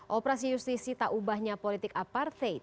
operasi justisi tak ubahnya politik aparted